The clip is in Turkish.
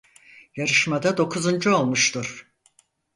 Yarışmada dokuzuncu olmuştur.